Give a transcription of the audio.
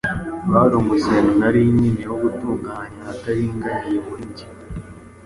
Bari umuseno nari nkeneye wo gutunganya ahataringaniye muri jye.